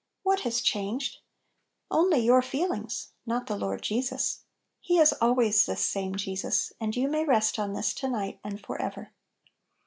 What has changed? Only your feel ings, not the Lord Jesus. He is always "this same Jesus"; and you may rest on this to night, and forever.